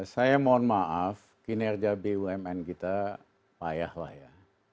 saya mohon maaf kinerja bumn kita payah lah ya